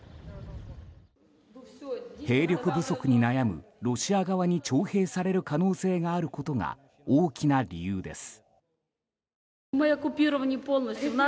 兵力不足に悩むロシア側に徴兵される可能性があることが大きな理由です。